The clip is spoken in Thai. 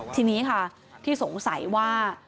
ทีนี้ค่ะที่สงสัยว่า